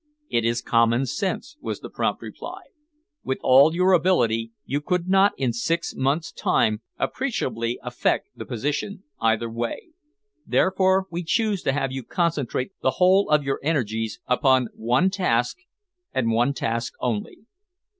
"It is common sense," was the prompt reply. "With all your ability, you could not in six months' time appreciably affect the position either way. Therefore, we choose to have you concentrate the whole of your energies upon one task and one task only.